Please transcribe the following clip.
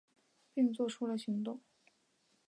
并做出行动